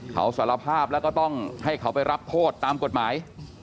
เขาสารภาพแล้วก็ต้องให้เขาไปรับโทษตามกฎหมาย